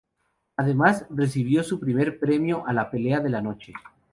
Además, recibió su primer premio a la "Pelea de la Noche".